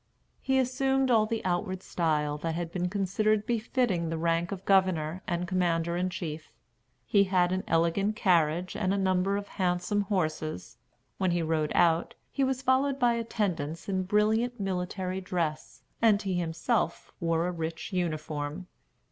He assumed all the outward style that had been considered befitting the rank of governor and commander in chief. He had an elegant carriage and a number of handsome horses. When he rode out, he was followed by attendants in brilliant military dress, and he himself wore a rich uniform.